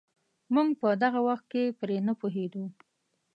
موږ په دغه وخت کې پرې نه پوهېدو.